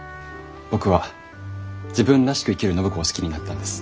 僕は自分らしく生きる暢子を好きになったんです。